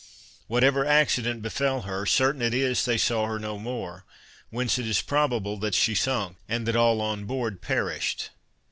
Whatever accident befel her, certain it is they saw her no more; whence it is probable that she sunk, and that all on board perished.